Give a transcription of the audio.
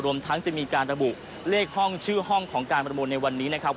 รวมทั้งจะมีการระบุเลขห้องชื่อห้องของการประมูลในวันนี้นะครับ